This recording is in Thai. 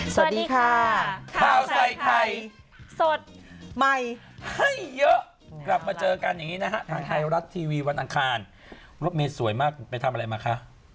สวัสดีค่ะข้าวใส่ไข่สดใหม่ให้เยอะกลับมาเจอกันอย่างนี้นะฮะทางไทยรัฐทีวีวันอังคารรถเมย์สวยมากไปทำอะไรมาคะ